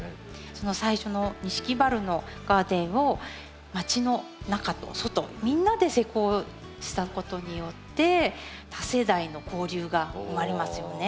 最初の錦原のガーデンをまちの中と外みんなで施工したことによって多世代の交流が生まれますよね。